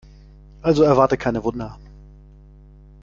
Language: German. Also erwarte keine Wunder.